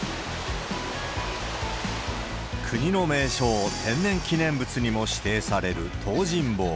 国の名勝、天然記念物にも指定される東尋坊。